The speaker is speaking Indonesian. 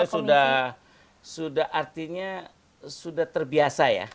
nggak saya sudah artinya sudah terbiasa ya